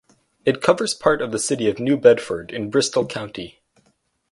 It covers part of the city of New Bedford in Bristol County.